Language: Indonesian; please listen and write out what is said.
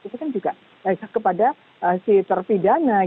itu kan juga terpidana